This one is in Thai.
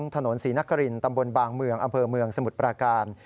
ถนนศรีนครินตำบลบางเมืองอำเภอเมืองสมุทรปราการ